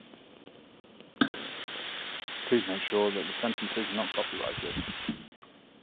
Please make sure that the sentences are not copyrighted.